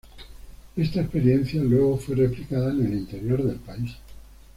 Esta experiencia luego fue replicada en el interior del país.